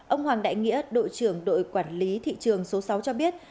ông hoàng đại nghĩa đội trưởng đội quản lý thị trường số sáu cho biết